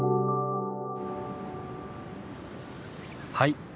はい！